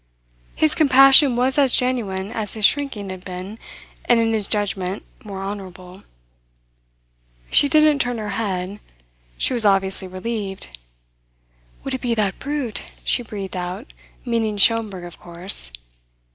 His compassion was as genuine as his shrinking had been, and in his judgement more honourable. She didn't turn her head. She was obviously relieved. "Would it be that brute?" she breathed out, meaning Schomberg, of course.